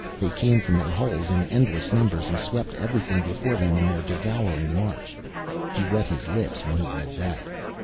They came from their holes in endless numbers and swept everything before them in their devouring march. He wet his lips when he read that.